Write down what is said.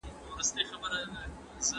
د دنیا هستي لولۍ بولی یارانو